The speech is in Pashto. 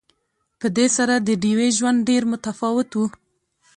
په دې سره د ډیوې ژوند ډېر متفاوت وو